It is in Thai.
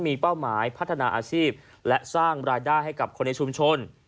มีเป้าหมายพัฒนาอาชีพและสร้างรายได้ให้กับคนในชุมชน